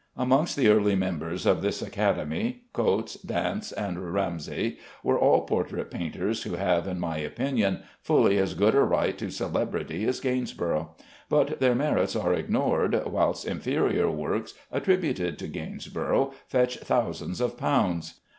Amongst the early members of this Academy, Cotes, Dance, and Ramsay were all portrait painters, who have, in my opinion, fully as good a right to celebrity as Gainsborough; but their merits are ignored, whilst inferior works attributed to Gainsborough fetch thousands of pounds.